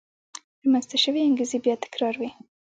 رامنځته شوې انګېزې بیا تکرار وې.